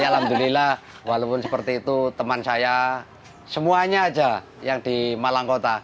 alhamdulillah walaupun seperti itu teman saya semuanya aja yang di malang kota